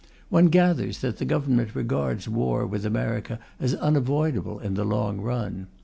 One gathers that the Government regards war with America as unavoidable in the long run.